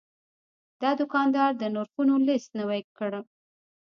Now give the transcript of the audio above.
دا دوکاندار د نرخونو لیست نوي کړ.